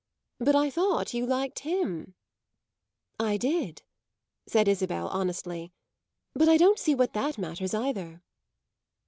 But I thought you liked him." "I did," said Isabel honestly. "But I don't see what that matters either."